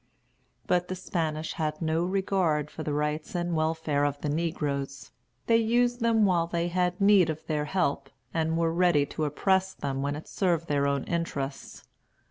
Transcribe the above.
But the Spaniards had no regard for the rights and welfare of the negroes. They used them while they had need of their help, and were ready to oppress them when it served their own interests.